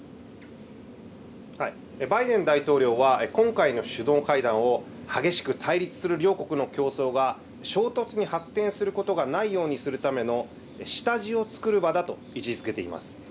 バイデン大統領は、今回の首脳会談を、激しく対立する両国の競争が衝突に発展することがないようにするための下地をつくる場だと位置づけています。